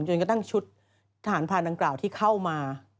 จนกระทั่งชุดทหารผ่านดังกล่าวที่เข้ามา